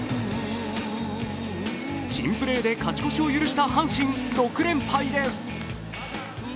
珍プレーで勝ち越しを許した阪神、６連敗です。